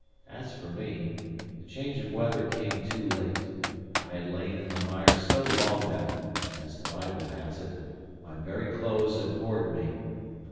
As for me, the change of weather came too late; I had lain in the mire so long that (as the Bible has it) my very clothes "abhorred me."